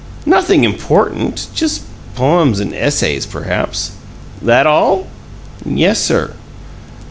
"Nothing important just poems and essays, perhaps." "That all?" "Yes, sir."